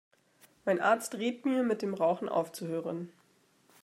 Mein Arzt riet mir, mit dem Rauchen aufzuhören.